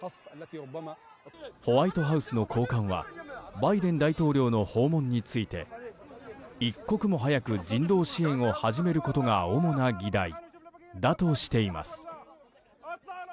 ホワイトハウスの高官はバイデン大統領の訪問について一刻も早く人道支援を始めることが主な議題だとしています。